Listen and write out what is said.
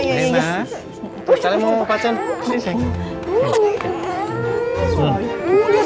yaudah kami langsung balik ya